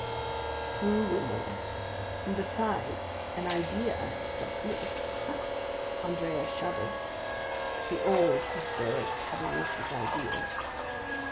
"True remorse; and, besides, an idea had struck me." Andrea shuddered; he always did so at Caderousse's ideas.